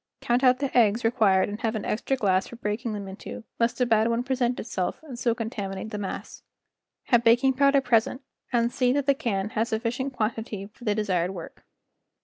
Count out the eggs re¬ quired and have an extra glass for breaking them into, lest a bad one present itself and so contaminate the mass. Have baking powder present and see that the can has sufficient quantity for the desired work.